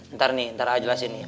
ntar nih ntar aja lah sini